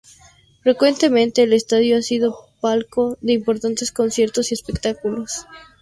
Frecuentemente el estadio ha sido palco de importantes conciertos y espectáculos.